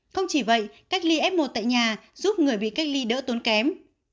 không chỉ vậy cách ly f một tại nhà giúp người bị cách ly đỡ tốn kém